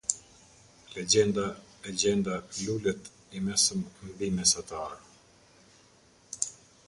Legjenda e gjenda Lulët Imesëm Mbi mesatar.